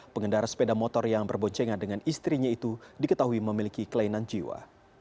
pengendara sepeda motor yang berboncengan dengan istrinya itu diketahui memiliki kelainan jiwa